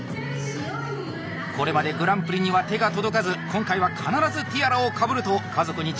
これまでグランプリには手が届かず今回は必ずティアラをかぶると家族に誓ったという塩入。